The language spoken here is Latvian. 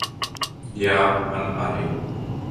Jā, man arī.